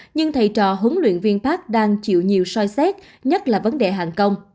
nhưng thầy trò huấn luyện viên park đang chịu nhiều soi xét nhất là vấn đề hàng công